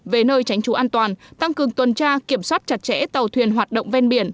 về nơi tránh trú an toàn tăng cường tuần tra kiểm soát chặt chẽ tàu thuyền hoạt động ven biển